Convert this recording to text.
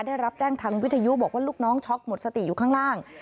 ได้รับแจ้งทางวิทยุบอกว่าลูกน้องช็อกหมดสติอยู่ข้างล่าง